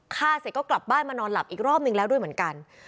ฆ่าเสร็จก็กลับบ้านมานอนหลับอีกรอบนึงแล้วด้วยเหมือนกัน